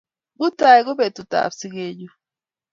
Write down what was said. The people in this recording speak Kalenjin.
Mutai ko petut ap sigennyu